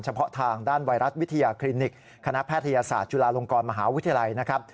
เฉพาะทางด้านไวรัสวิทยาคลินิกคณะแพทยศาสตร์จุฬาลงกรมหาวิทยาลัยนะครับ